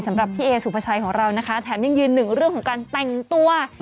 สำหรับพี่เอสุภาชัยของเรานะคะแถมยังยืนหนึ่งเรื่องของการแต่งตัว